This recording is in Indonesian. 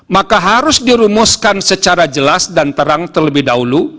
maka harus dirumuskan secara jelas dan terang terlebih dahulu